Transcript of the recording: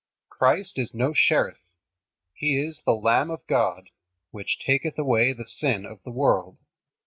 Christ is no sheriff. He is "the Lamb of God, which taketh away the sin of the world."